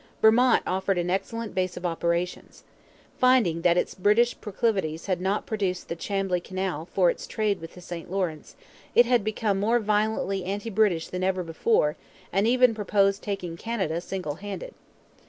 Vermont offered an excellent base of operations. Finding that its British proclivities had not produced the Chambly canal for its trade with the St Lawrence, it had become more violently anti British than ever before and even proposed taking Canada single handed.